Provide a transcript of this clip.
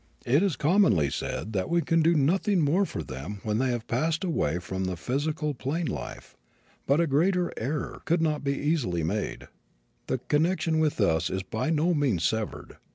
It is commonly said that we can do nothing more for them when they have passed away from physical plane life, but a greater error could not easily be made. The connection with us is by no means severed.